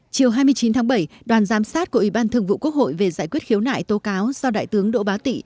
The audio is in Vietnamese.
chiều hai mươi chín tháng bảy đoàn giám sát của ủy ban thường vụ quốc hội về giải quyết khiếu nại tố cáo do đại tướng đỗ bá tị